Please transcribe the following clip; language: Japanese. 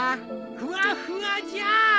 ふわふわじゃ。